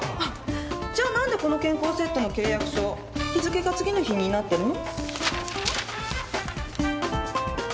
じゃあ何でこの健康セットの契約書日付が次の日になってるの？